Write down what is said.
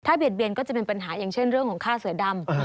เบียดเบียนก็จะเป็นปัญหาอย่างเช่นเรื่องของค่าเสือดำ